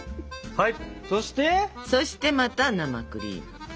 はい。